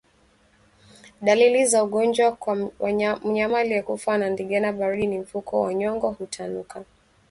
Dalili za ugonjwa kwa mnyama aliyekufa kwa ndigana baridi ni mfuko wa nyongo hutanuka